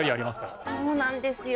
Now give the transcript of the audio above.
そうなんですよ。